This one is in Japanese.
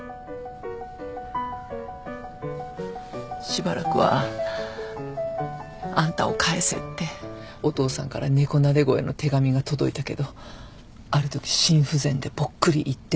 しばらくはあんたを返せってお父さんから猫なで声の手紙が届いたけどあるとき心不全でぽっくり逝ってね。